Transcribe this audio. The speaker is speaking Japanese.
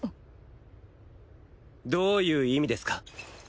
どういう意味ですか？